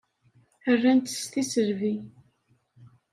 Ran-tt s tisselbi.